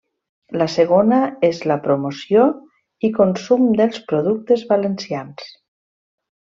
La segona és la promoció i consum dels productes valencians.